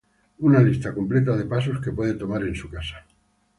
Una lista completa de pasos que puede tomar en su casa